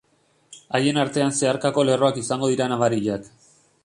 Haien artean zeharkako lerroak izango dira nabariak.